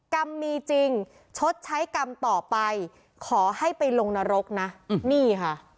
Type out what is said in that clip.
กรรมมีจริงชดใช้กรรมต่อไปขอให้ไปลงนรกนะนี่ค่ะ